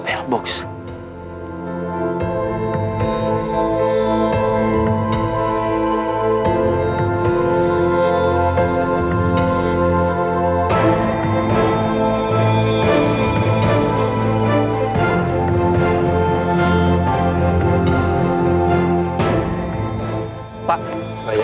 aku sudah berhenti